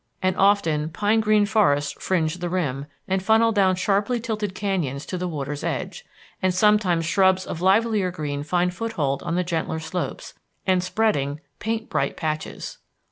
And often pine green forests fringe the rim, and funnel down sharply tilted canyons to the water's edge; and sometimes shrubs of livelier green find foothold on the gentler slopes, and, spreading, paint bright patches.